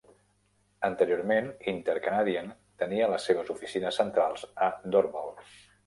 Anteriorment Inter-Canadien tenia les seves oficines centrals a Dorval.